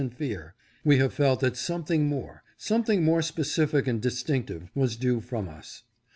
579 and fear ; we have felt that something more, something more specific and distinctive, was due from us.